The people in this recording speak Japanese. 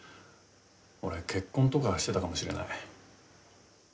俺結婚とかしてたかもしれない。